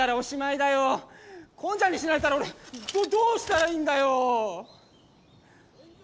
近ちゃんに死なれたら俺どどうしたらいいんだよ！